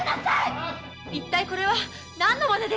一体これは何のマネですか！